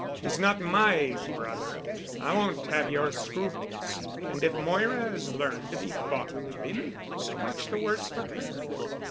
He's not my brother. I won't have your scruples. And if Moira has learned to be fond of him, so much the worse for her.